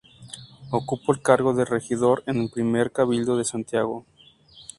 Ocupó el cargo de regidor en el primer cabildo de Santiago.